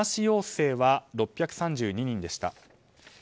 陽性は６３２人でした。